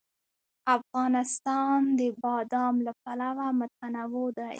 افغانستان د بادام له پلوه متنوع دی.